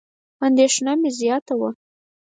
اندېښنه مې زیاته وه.